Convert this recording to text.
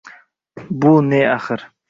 Бу не ахир –